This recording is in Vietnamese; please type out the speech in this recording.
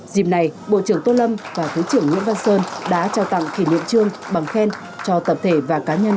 dịp này bộ trưởng tô lâm và thứ trưởng nguyễn văn sơn đã trao tặng kỷ niệm trương bằng khen cho tập thể và cá nhân